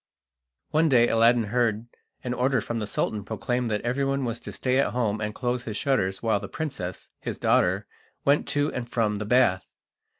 One day Aladdin heard an order from the Sultan proclaimed that everyone was to stay at home and close his shutters while the princess, his daughter, went to and from the bath.